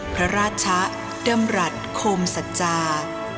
พระราชะเดิมรัฐโคมศัจรา